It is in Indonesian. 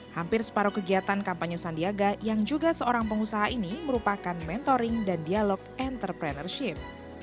hampir separuh kegiatan kampanye sandiaga yang juga seorang pengusaha ini merupakan mentoring dan dialog entrepreneurship